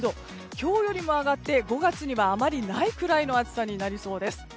今日よりも上がって５月にはあまりないぐらいの暑さになりそうです。